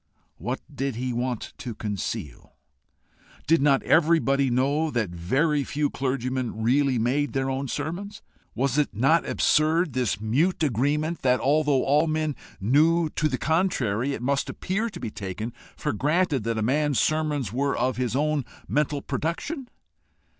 What did he want to conceal? Did not everybody know that very few clergymen really made their own sermons? Was it not absurd, this mute agreement that, although all men knew to the contrary, it must appear to be taken for granted that a man's sermons were of his own mental production?